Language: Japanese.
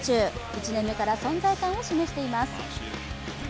１年目から存在感を示しています。